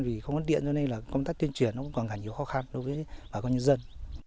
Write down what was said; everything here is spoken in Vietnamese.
vì không có điện cho nên là công tác tuyên truyền nó cũng còn ngả nhiều khó khăn đối với bà con nhân dân